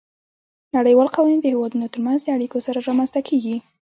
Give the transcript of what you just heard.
نړیوال قوانین د هیوادونو ترمنځ د اړیکو سره رامنځته کیږي